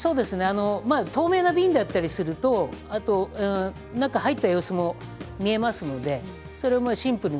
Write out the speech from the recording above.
透明な瓶だったりすると中に入った様子も見えますのでそのままシンプルに